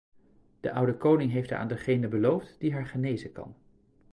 De oude koning heeft haar aan degene beloofd, die haar genezen kan.